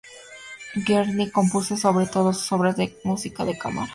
Giardini compuso sobre todo obras de música de cámara.